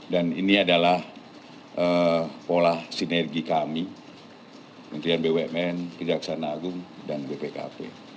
dan ini adalah pola sinergi kami menteri bumn kejaksana agung dan bpkp